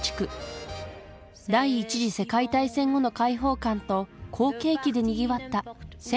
第１次世界大戦後の解放感と好景気でにぎわった